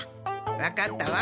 わかったわ。